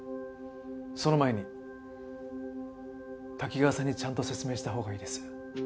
その前に滝川さんにちゃんと説明したほうがいいです。